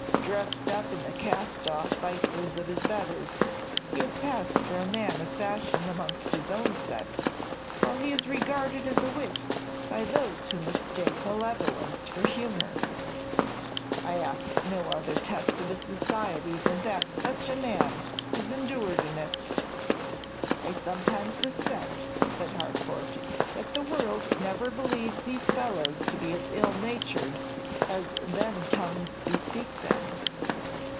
Dressed up in the cast off vices of his betters, he has passed for a man of fashion amongst his own set, while he is regarded as a wit by those who mistake malevolence for humor. I ask no other test of a society than that such a man is endured in it." "I sometimes suspect," said Harcourt, "that the world never believes these fellows to be as ill natured as then tongues bespeak them."